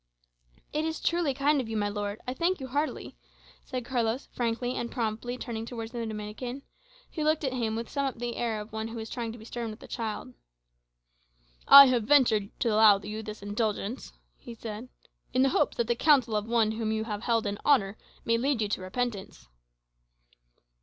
"It is truly kind of you, my lord. I thank you heartily," said Carlos, frankly and promptly turning towards the Dominican, who looked at him with somewhat the air of one who is trying to be stern with a child. "I have ventured to allow you this indulgence," he said, "in the hope that the counsels of one whom you hold in honour may lead you to repentance."